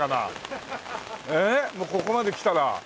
えっもうここまできたら。